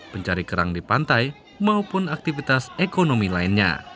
pencari kerang di pantai maupun aktivitas ekonomi lainnya